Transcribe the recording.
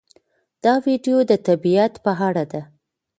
دا ویډیو د طبیعت په اړه ده.